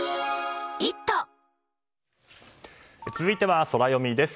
続いてはソラよみです。